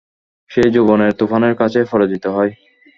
সে যৌবনের তুফানের কাছে পরাজিত হয়।